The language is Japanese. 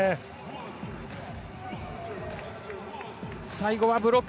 最後はブロック。